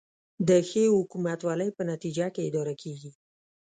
د ښې حکومتولې په نتیجه کې اداره کیږي